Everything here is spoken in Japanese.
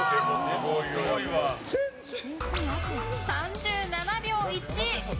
３７秒１！